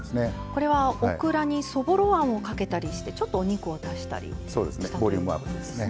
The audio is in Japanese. これはオクラにそぼろあんをかけたりしてお肉を足したりしたということですね。